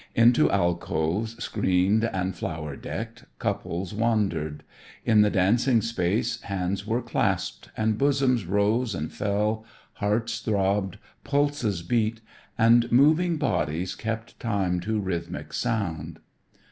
Into alcoves, screened and flower decked, couples wandered. In the dancing space hands were clasped, bosoms rose and fell, hearts throbbed, pulses beat, and moving bodies kept time to rhythmic sound.